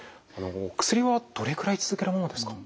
薬はどれくらい続けるものですか？